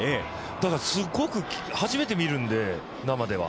ただすごく初めて見るので生では。